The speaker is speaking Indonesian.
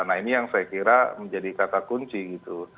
nah ini yang saya kira menjadi kata kunci gitu